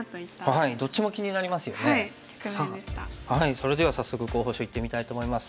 それでは早速候補手いってみたいと思います。